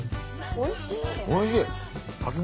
おいしい。